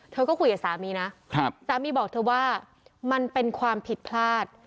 เธอก็คุยกับสามีนะสามีบอกเธอว่ามันเป็นความผิดพลาด